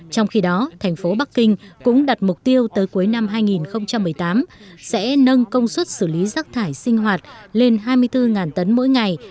trong khi đó thành phố bắc kinh cũng đặt mục tiêu tới cuối năm hai nghìn một mươi tám sẽ nâng công suất xử lý rác thải sinh hoạt lên hai mươi bốn tấn mỗi ngày